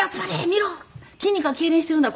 見ろ」「筋肉がけいれんしているんだ。